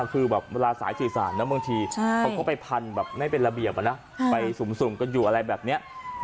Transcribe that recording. คือแบบเวลาสายสื่อสารนะบางทีเขาก็ไปพันแบบไม่เป็นระเบียบไปสุ่มกันอยู่อะไรแบบนี้